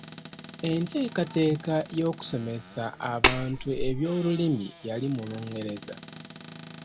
Enteekateeka y'okusomesa abantu ebyobulimi yali mu Lungereza.